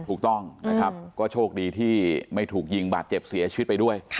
ถูกต้องนะครับก็โชคดีที่ไม่ถูกยิงบาดเจ็บเสียชีวิตไปด้วย